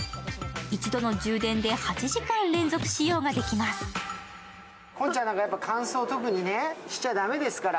一度の充電で８時間連続使用できます。